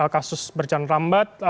kasus berjalan lambat